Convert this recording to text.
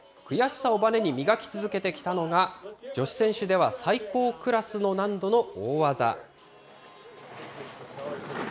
悔しさをバネに磨き続けてきたのが、女子選手では最高クラスの難度の大技。